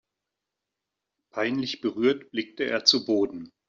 Peinlich berührt blickte er zu Boden.